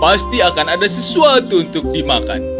pasti akan ada sesuatu untuk dimakan